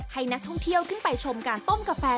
ให้นักท่องเที่ยวขึ้นไปชมการต้มกาแฟ